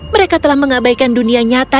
mereka telah mengabaikan dunia nyata